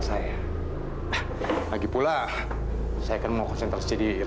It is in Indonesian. sampai jumpa di video selanjutnya